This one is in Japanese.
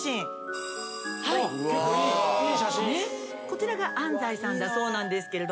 こちらが安西さんだそうです。